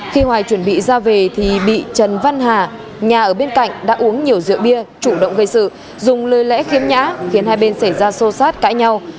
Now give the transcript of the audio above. khi ngoài chuẩn bị ra về thì bị trần văn hà nhà ở bên cạnh đã uống nhiều rượu bia chủ động gây sự dùng lời lẽ khiếm nhã khiến hai bên xảy ra xô xát cãi nhau